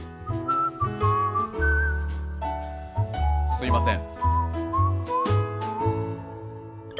すみません。